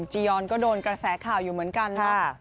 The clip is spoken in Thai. จียอนก็โดนกระแสข่าวอยู่เหมือนกันเนาะ